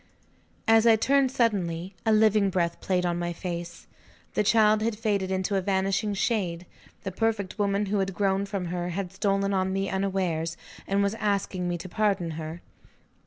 As I turned suddenly, a living breath played on my face. The child had faded into a vanishing shade: the perfected woman who had grown from her had stolen on me unawares, and was asking me to pardon her.